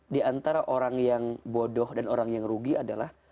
diantara orang yang bodoh dan orang yang rugi adalah